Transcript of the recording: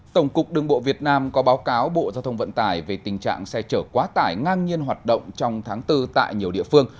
tổng cục đường bộ việt nam có báo cáo bộ giao thông vận tải về tình trạng xe chở quá tải ngang nhiên hoạt động trong tháng bốn tại nhiều địa phương